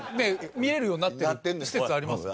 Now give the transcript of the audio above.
見れるようになってる施設ありますよね